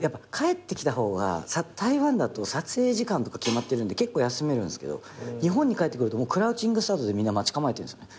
でも台湾だと撮影時間とか決まってるんで結構休めるんですけど日本に帰ってくるとクラウチングスタートでみんな待ち構えてるんですよね。